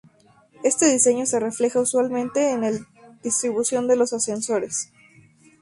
Este diseño se refleja usualmente en el distribución de los ascensores.